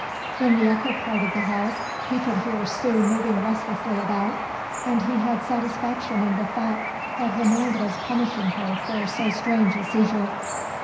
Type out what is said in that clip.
In the upper part of the house he could hear Sue moving restlessly about and he had satisfaction in the thought that her mind was punishing her for so strange a seizure.